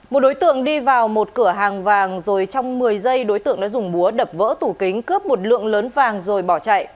một đối tượng đi vào một cửa hàng vàng rồi trong một mươi giây đối tượng đã dùng búa đập vỡ tủ kính cướp một lượng lớn vàng rồi bỏ chạy